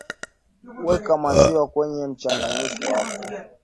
weka maziwa kwenye mchanganyiko wako